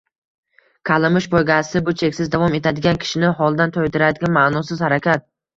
Kalamush poygasi bu cheksiz davom etadigan, kishini holdan toydiradigan ma’nosiz harakat